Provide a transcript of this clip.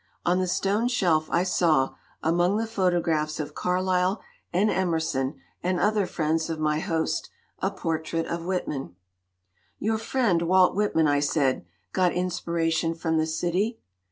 On the stone shelf I saw, among the photographs of Carlyle and Emerson and other friends of my host, a portrait of Whit man. "Your friend, Walt Whitman," I said, "got inspiration from the city."